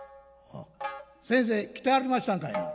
先生来てはりましたんかいな」。